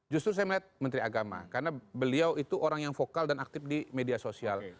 justru saya melihat menteri agama karena beliau itu orang yang vokal dan aktif di media sosial